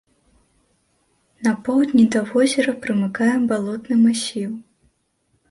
На поўдні да возера прымыкае балотны масіў.